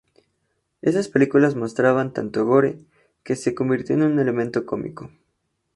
Estas películas mostraban tanto "gore" que se convirtió en un elemento cómico.